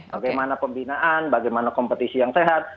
bagaimana pembinaan bagaimana kompetisi yang sehat